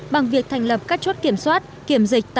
bằng việc thành lập các chốt kiểm soát kiểm dịch